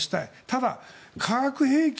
ただ、化学兵器